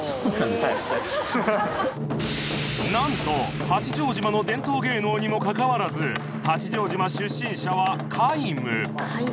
なんと八丈島の伝統芸能にもかかわらず八丈島出身者は皆無